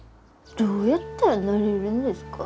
どうやったらなれるんですか？